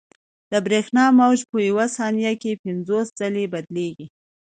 د برېښنا موج په یوه ثانیه کې پنځوس ځلې بدلېږي.